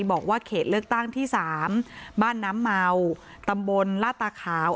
บอกว่าเขตเลือกตั้งที่๓บ้านน้ำเมาตำบลลาตาขาว